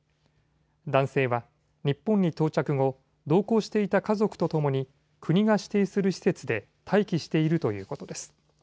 男性は日本に到着後、同行していた家族とともに国が指定する施設で待機しているということです。